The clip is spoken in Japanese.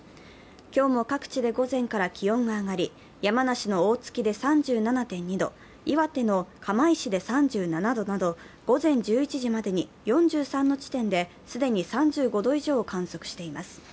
今日も各地で午前から気温が上がり、山梨の大月で３７．２度、岩手の釜石で３７度など午前１１時までに、４３の地点で既に３５度以上を観測しています。